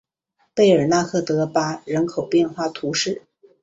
贝尔纳克德巴人口变化图示